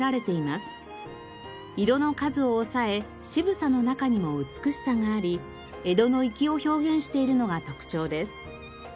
色の数を抑え渋さの中にも美しさがあり江戸の粋を表現しているのが特徴です。